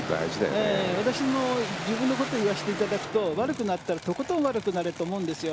私も自分のことを言わせていただくと悪くなったらとことん悪くなれって思うんですよ。